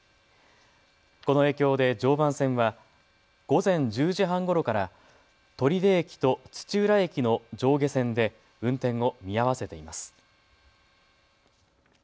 この影響で常磐線は午前１０時半ごろから取手駅と土浦駅の上下線で運転を見合わせています。